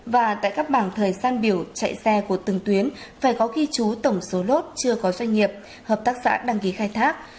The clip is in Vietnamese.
và tại các bảng thời gian biểu chạy xe của từng tuyến phải có ghi chú tổng số lốt chưa có doanh nghiệp hợp tác xã đăng ký khai thác